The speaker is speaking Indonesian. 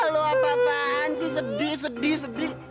lo apa apaan sih sedih sedih sedih